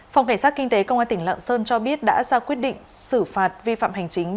phòng cảnh sát kinh tế công an tỉnh lạng sơn cho biết đã ra quyết định xử phạt vi phạm hành chính